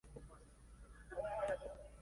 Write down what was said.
Tiene una línea principal y una línea ramal.